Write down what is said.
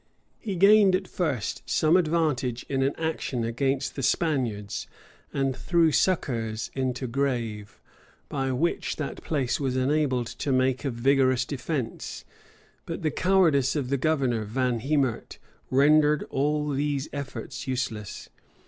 He gained, at first, some advantage in an action against the Spaniards; and threw succors into Grave, by which that place was enabled to make a vigorous defence: but the cowardice of the governor, Van Hemert, rendered all these efforts useless.